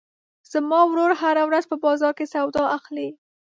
زما ورور هره ورځ په بازار کې سودا اخلي.